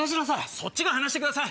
そっちが離してください。